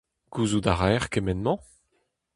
Gouzout a raec'h kement-mañ ?